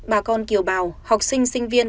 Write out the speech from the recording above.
bà con kiều bào học sinh sinh viên